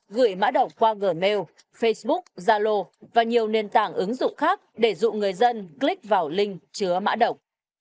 ba gửi mã đọc qua gmail facebook zalo và nhiều nền tảng ứng dụng khác để dụ người dân click vào link chứa mã đọc